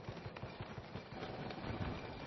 印度薹草为莎草科薹草属的植物。